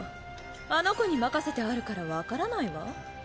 あの子に任せてあるから分からないわ。